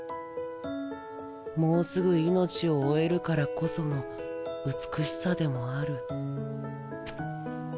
もうすぐ命を終えるからこその美しさでもある。